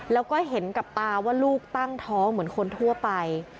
แล้วก็เห็นกับตาว่าลูกตั้งท้องเหมือนคนทั่วไป